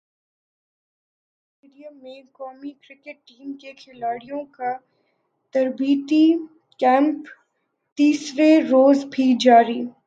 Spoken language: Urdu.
لاہور قذافی اسٹیڈیم میں قومی کرکٹ ٹیم کے کھلاڑیوں کا تربیتی کیمپ تیسرے روز بھی جاری